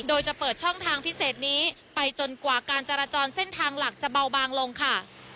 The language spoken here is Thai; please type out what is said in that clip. โดยจะเปิดช่องทางพิเศษนี้ไปจนกว่าการจราจรเส้นทางหลักจะเบาบางลงค่ะ